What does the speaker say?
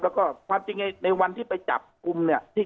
แล้วก็ความจริงในวันที่ไปจับกลุ่มเนี่ย